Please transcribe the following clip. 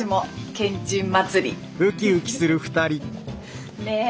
けんちん祭り！ね。